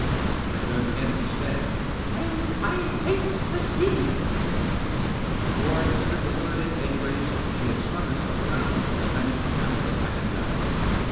I turned again to stare. " And I hate the sea !" Before I could slip a word in edgeways she had swung herself round and vanished down the com panion ladder.